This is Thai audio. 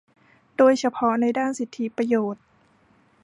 โดยเฉพาะในด้านสิทธิประโยชน์